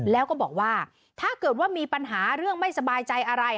แล้วก็บอกว่าถ้าเกิดว่ามีปัญหาเรื่องไม่สบายใจอะไร